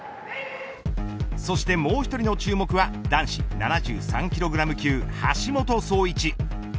そしてもう１人の注目は男子７３キログラム級を橋本壮市。